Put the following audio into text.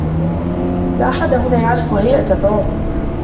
لا أحد هنا يعرف هيئة توم.